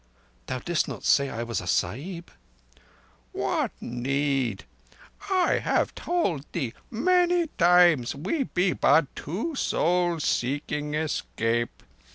"Thou didst not say I was a Sahib?" "What need? I have told thee many times we be but two souls seeking escape.